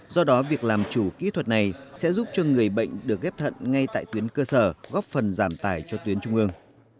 do đó việc làm chủ kỹ thuật này sẽ giúp cho người bệnh được ghép thận ngay tại tuyến cơ sở góp phần giảm tải cho tuyến trung ương